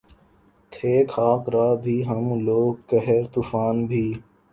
تھے خاک راہ بھی ہم لوگ قہر طوفاں بھی